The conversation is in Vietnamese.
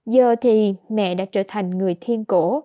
giờ thì mẹ đã trở thành người thiên cổ